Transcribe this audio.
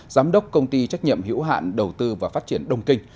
giám đốc công ty trách nhiệm hiểu hạn đầu tư và phát triển đông kinh